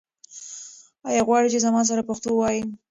آیا غواړې چې زما سره پښتو ووایې؟